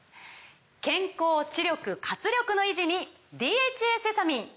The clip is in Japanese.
健康・知力・活力の維持に「ＤＨＡセサミン」！